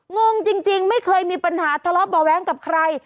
งงจริงไม่เคยมีปัญหาทะเลาะเบาะแว้งกับใคร